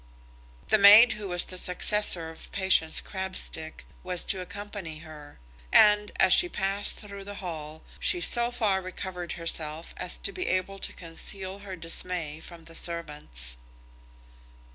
The maid, who was the successor of Patience Crabstick, was to accompany her; and, as she passed through the hall, she so far recovered herself as to be able to conceal her dismay from the servants.